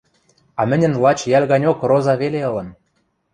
а мӹньӹн лач йӓл ганьок роза веле ылын.